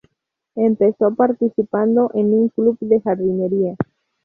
Empezó participando en un club de jardinería.